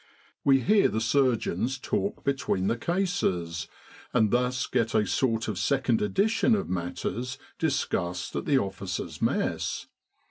We hear the surgeons talk between the cases, and thus get a sort of second edition of matters discussed at the Officers' Mess.